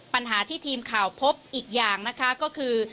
ปัญหาที่ทีมข่าวพบอีกอย่างนะคะก็คือ